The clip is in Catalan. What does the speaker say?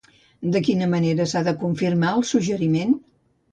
De quina manera s'ha de confirmar el suggeriment?